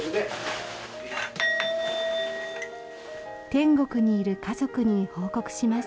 天国にいる家族に報告します。